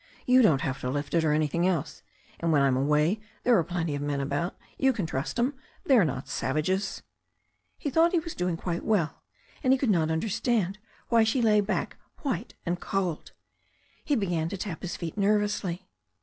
You don't have to lift it, or anything else. And when I'm away there are plenty of men about. You can trust 'em. They're not savages." He thought he was doing quite well, and he could not understand why she lay back white and cold. He began to tap his feet nervously.